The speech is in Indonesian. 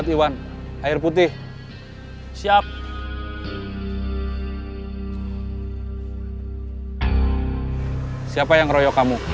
iwan ada yang royok